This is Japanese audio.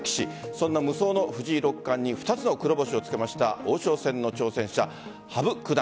そんな無双の藤井六冠に２つの黒星をつけました王将戦の挑戦者羽生九段。